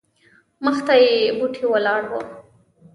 مخته یې بوټې ولاړ وو.